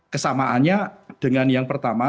kesamaannya dengan yang pertama